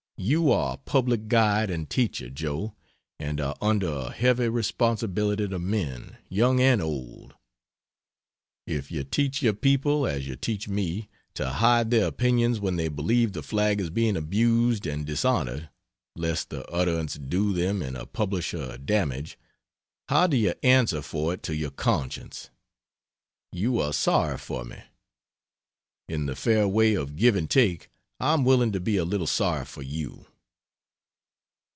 You are a public guide and teacher, Joe, and are under a heavy responsibility to men, young and old; if you teach your people as you teach me to hide their opinions when they believe the flag is being abused and dishonored, lest the utterance do them and a publisher a damage, how do you answer for it to your conscience? You are sorry for me; in the fair way of give and take, I am willing to be a little sorry for you.